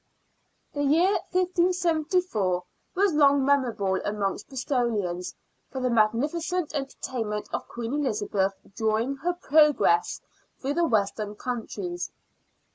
The year 1574 was long memorable amongst Bris tolians for the magnificent entertainment of Queen Elizabeth during her " progress " through the Western Counties.